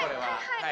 はい！